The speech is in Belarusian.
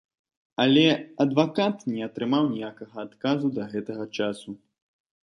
Але адвакат не атрымаў ніякага адказу да гэтага часу.